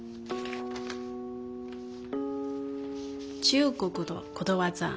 中国のことわざ。